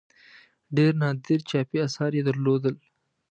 ډېر نادر چاپي آثار یې درلودل.